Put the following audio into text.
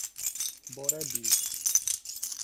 Borebi